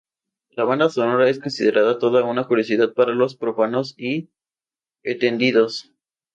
La banda sonora es considerada toda una curiosidad para los profanos y entendidos.